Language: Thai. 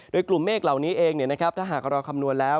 โดยกลุ่มเมฆเหล่านี้เองถ้าหากเราคำนวณแล้ว